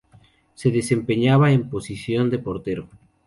Se desempeñaba en posición de portero.